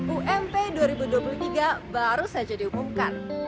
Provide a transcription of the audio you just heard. ump dua ribu dua puluh tiga baru saja diumumkan